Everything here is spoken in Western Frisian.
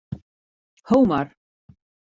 Ho mar.